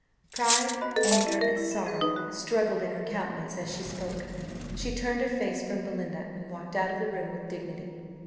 Pride, anger, and sorrow, struggled in her countenance as she spoke. She turned her face from Belinda, and walked out of the room with dignity.